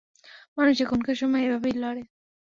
মানুষ এখনকার সময়ে এভাবেই লড়ে!